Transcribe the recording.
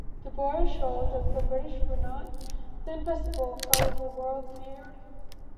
The Boers showed that the British were not the invincible foe the world feared.